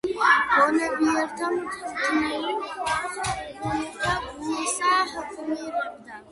გონიერთა მწვრთელი უყვარს, უგუნურთა გულსა ჰგმირდეს.